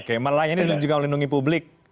oke melayani dan juga melindungi publik